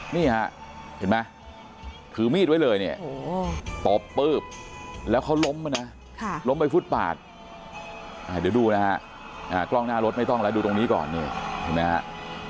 นี่ฮะเห็นไหมถือมีดไว้เลยเนี่ยตบปื๊บแล้วเขาล้มมานะล้มไปฟุตปาดเดี๋ยวดูนะฮะกล้องหน้ารถไม่ต้องแล้วดูตรงนี้ก่อนนี่เห็นไหมฮะ